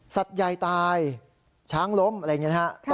สัตว์ใหญ่ตายช้างล้มอะไรอย่างนี้นะครับ